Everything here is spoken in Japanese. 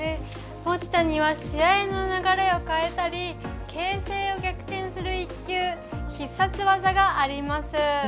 ボッチャには試合の流れを変えたり形勢を逆転する１球必殺技があります。